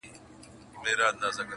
o مرگ حقه پياله ده٫